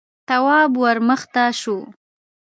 تواب ور مخته شو: